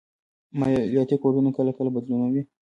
مالياتي کوډونه کله کله بدلون مومي